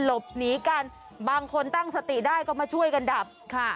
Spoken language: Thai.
หลบหนีกันบางคนตั้งสติได้ก็มาช่วยกันดับค่ะ